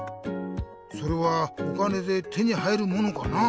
それはお金で手に入るものかな？